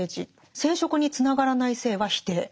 「生殖につながらない性は否定」。